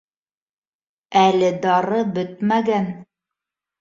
Әле дары бөтмәгән